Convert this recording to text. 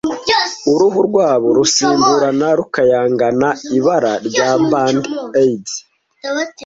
uruhu rwabo rusimburana rukayangana, ibara rya Band-Aids.